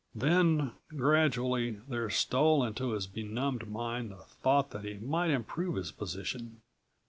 Then, gradually there stole into his benumbed mind the thought that he might improve his position.